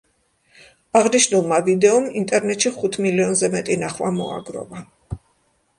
აღნიშნულმა ვიდეომ ინტერნეტში ხუთ მილიონზე მეტი ნახვა მოაგროვა.